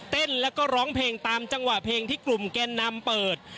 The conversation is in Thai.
เล่นแล้วก็ร้องเพลงตามจังหวะเพลงที่กลุ่มแกนนำเปิด